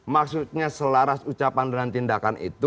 maksudnya selaras ucapan dan tindakan itu